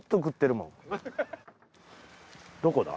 どこだ？